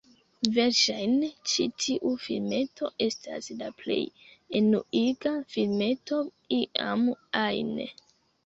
Verŝajne, ĉi tiu filmeto estas la plej enuiga filmeto iam ajn.